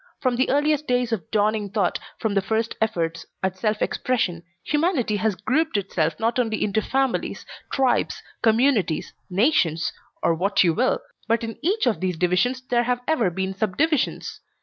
From the earliest days of dawning thought, from the first efforts at self expression, humanity has grouped itself not only into families, tribes, communities, nations, or what you will, but in each of these divisions there have ever been subdivisions.